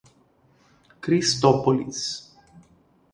Cristópolis